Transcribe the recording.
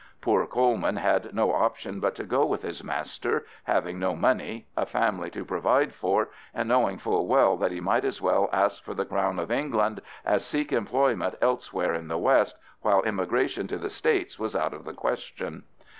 Poor Coleman had no option but to go with his master, having no money, a family to provide for, and knowing full well that he might as well ask for the crown of England as seek employment elsewhere in the west, while emigration to the States was out of the question.